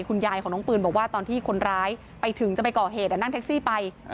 คุณยายของน้องปืนบอกว่าตอนที่คนร้ายไปถึงจะไปก่อเหตุนั่งแท็กซี่ไป